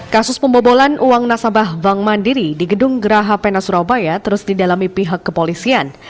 kasus pembobolan uang nasabah bank mandiri di gedung geraha pena surabaya terus didalami pihak kepolisian